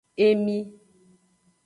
Emi.